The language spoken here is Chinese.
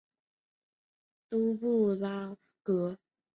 该杂志的编辑部设于捷克斯洛伐克首都布拉格。